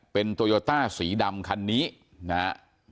เป็นโตโยต้าสีดำคันนี้นะฮะ